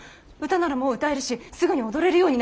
歌ならもう歌えるしすぐに踊れるようになるから。